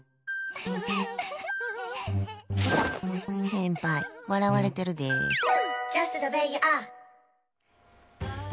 先輩、笑われてるで。